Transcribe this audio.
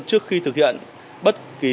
trước khi thực hiện bất kỳ